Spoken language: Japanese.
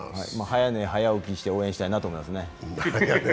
早寝早起きして応援したいなと思いますね。